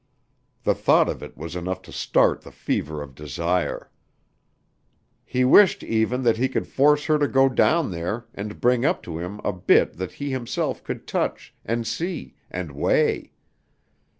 The thought of it was enough to start the fever of desire. He wished even that he could force her to go down there and bring up to him a bit that he himself could touch and see and weigh.